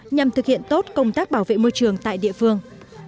nhằm thực hiện tốt công tác bảo vệ môi trường tại địa phương